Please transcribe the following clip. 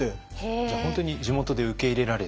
じゃあ本当に地元で受け入れられて。